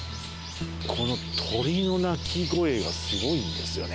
この鳥の鳴き声がすごいんですよね。